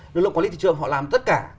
lực lượng quản lý thị trường họ làm tất cả